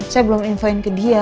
saya belum infoin ke dia